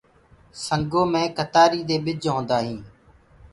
سنگو دي ڪتآري مي ڀج هوندآ هينٚ۔